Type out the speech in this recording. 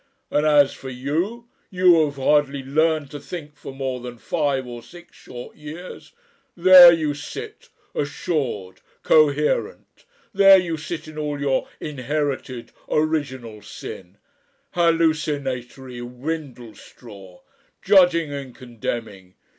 And as for you you who have hardly learned to think for more than five or six short years, there you sit, assured, coherent, there you sit in all your inherited original sin Hallucinatory Windlestraw! judging and condemning.